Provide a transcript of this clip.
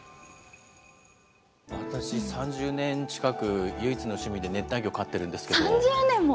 私、３０年近く、唯一の趣味で熱帯魚飼ってるんですけれども。